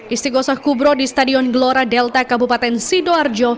istigosah kubro di stadion gelora delta kabupaten sidoarjo